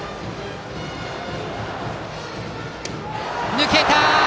抜けた！